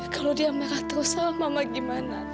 kalau dia marah terus sama mama gimana